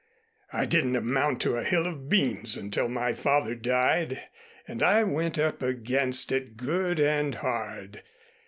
I didn't amount to a hill of beans until my father died and I went up against it good and hard.